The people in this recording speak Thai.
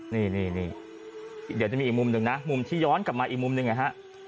นี่เดี๋ยวจะมีอีกมุมหนึ่งนะมุมที่ย้อนกลับมาอีกมุมหนึ่งนะฮะ